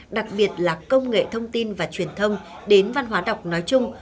đặc biệt là công nghệ thông tin và truyền thông đến văn hóa đọc nói chung